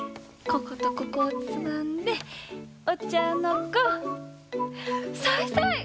こことここをつまんでお茶の子さいさい！